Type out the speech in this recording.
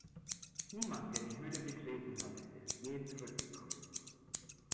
Niemand, der die Höhle betreten hat, ist je zurückgekommen.